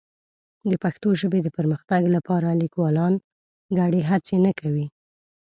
د پښتو ژبې د پرمختګ لپاره لیکوالان ګډې هڅې نه کوي.